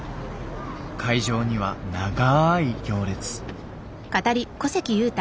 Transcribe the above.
会場には長い行列。